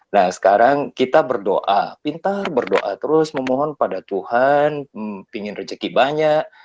nah sekarang kita berdoa pintar berdoa terus memohon pada tuhan ingin rezeki banyak